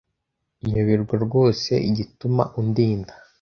Nyoberwa rwose igituma undinda